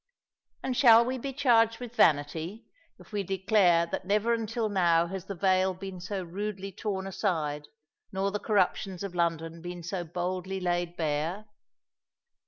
And shall we be charged with vanity, if we declare that never until now has the veil been so rudely torn aside, nor the corruptions of London been so boldly laid bare?